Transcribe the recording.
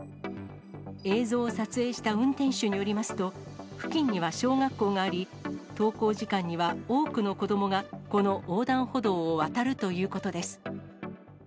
映像を撮影した運転手によりますと、付近には小学校があり、登校時間には多くの子どもがこの横断歩道を渡るということです。